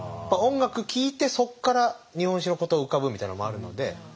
音楽聴いてそこから日本史のことが浮かぶみたいなのもあるので。